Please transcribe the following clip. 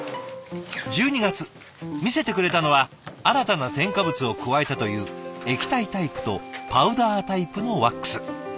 １２月見せてくれたのは新たな添加物を加えたという液体タイプとパウダータイプのワックス。